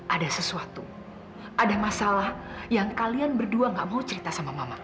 ada sesuatu ada masalah yang kalian berdua gak mau cerita sama mama